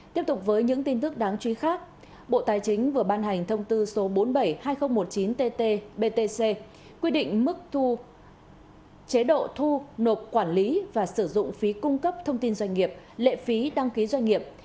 tiếp tục với những tin tức đáng chú ý khác bộ tài chính vừa ban hành thông tư số bốn trăm bảy mươi hai nghìn một mươi chín tt btc quy định mức chế độ thu nộp quản lý và sử dụng phí cung cấp thông tin doanh nghiệp lệ phí đăng ký doanh nghiệp